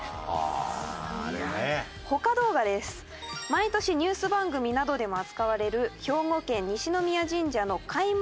毎年ニュース番組などでも扱われる兵庫県西宮神社の開門神事の動画です。